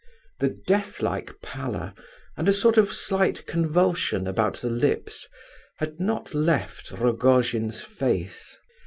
The deathlike pallor, and a sort of slight convulsion about the lips, had not left Rogojin's face.